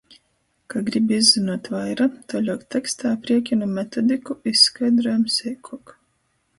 Ka gribi izzynuot vaira, tuoļuok tekstā apriekinu metodiku izskaidrojam seikuok.